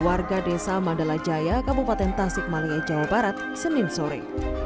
warga desa mandala jaya kabupaten tasik malaya jawa barat senin sore